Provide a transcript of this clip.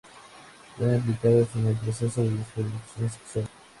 Están implicadas en el proceso de diferenciación sexual.